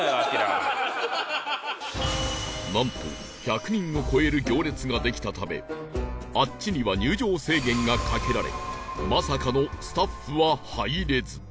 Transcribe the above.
なんと１００人を超える行列ができたため「あっち」には入場制限がかけられまさかのスタッフは入れず